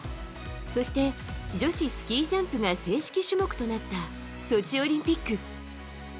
そして、女子スキージャンプが正式種目となったソチオリンピック。